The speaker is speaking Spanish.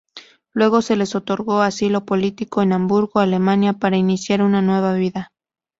Luego se les otorgó asilo político en Hamburgo, Alemania, para iniciar una nueva vida.